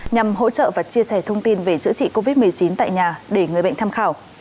nhằm hỗ trợ và chia sẻ thông tin về chữa trị covid một mươi chín tại nhà để người bệnh tham khảo